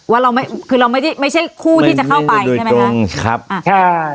ว่าเราไม่คือเราไม่ได้ไม่ใช่คู่ที่จะเข้าไปใช่ไหมคะอ่าใช่